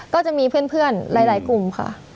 ก็จะมีเพื่อนหลายกลุ่มค่ะ